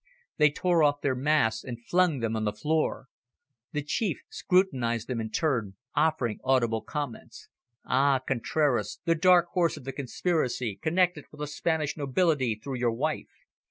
They tore off their masks and flung them on the floor. The chief scrutinised them in turn, offering audible comments. "Ah, Contraras, the dark horse of the conspiracy, connected with the Spanish nobility through your wife.